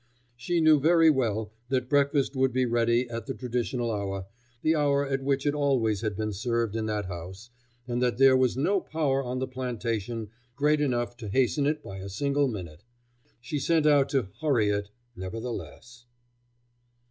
She knew very well that breakfast would be ready at the traditional hour, the hour at which it always had been served in that house, and that there was no power on the plantation great enough to hasten it by a single minute. But she sent out to "hurry" it nevertheless.